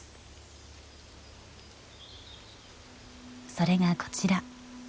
それがこちら。